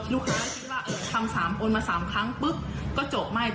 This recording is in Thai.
ลูกค้าคิดว่าทำ๓โอนมา๓ครั้งปุ๊บก็จบไม่